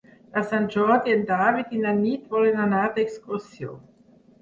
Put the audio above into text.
Per Sant Jordi en David i na Nit volen anar d'excursió.